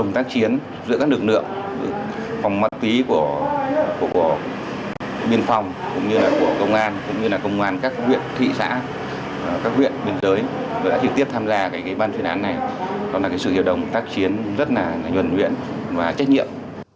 đã trực tiếp tham gia ban chuyên án này đó là sự hiệp đồng tác chiến rất là nhuận nguyện và trách nhiệm